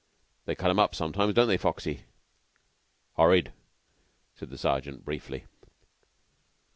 They cut 'em up sometimes, don't they, Foxy?" "Horrid," said the sergeant briefly.